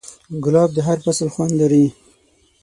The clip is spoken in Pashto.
ګلاب د هر فصل خوند لري.